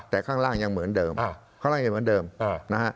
แต่ข้างล่างยังเหมือนเดิมข้างล่างยังเหมือนเดิมนะฮะ